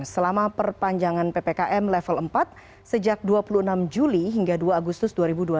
selama perpanjangan ppkm level empat sejak dua puluh enam juli hingga dua agustus dua ribu dua puluh